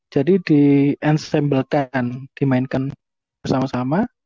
jadi di ensemble kan dimainkan bersama sama